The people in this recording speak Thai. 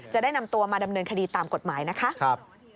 จะได้นำตัวมาดำเนินคดีตามกฎหมายนะคะ